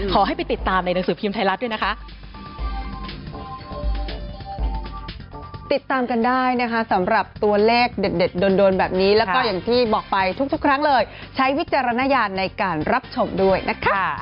ขอให้ไปติดตามในหนังสือพิมพ์ไทยรัฐด้วยนะคะ